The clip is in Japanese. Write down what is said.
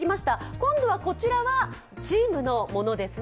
今度はこちらはチームのものですね。